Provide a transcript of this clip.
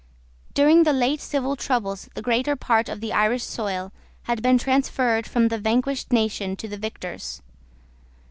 During the late civil troubles the greater part of the Irish soil had been transferred from the vanquished nation to the victors.